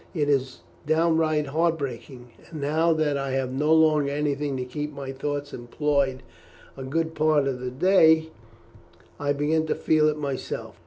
It is downright heartbreaking; and now that I have no longer anything to keep my thoughts employed a good part of the day, I begin to feel it myself.